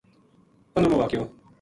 پندرمو واقعو